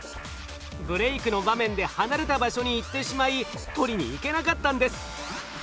ブレイクの場面で離れた場所に行ってしまい取りに行けなかったんです。